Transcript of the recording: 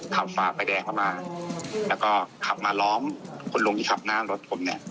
ฝ่าไฟแดงเข้ามาแล้วก็ขับมาล้อมคุณลุงที่ขับหน้ารถผมเนี่ย